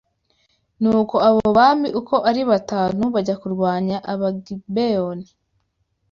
Nuko abo bami uko ari batanu bajya kurwanya Abagibeyoni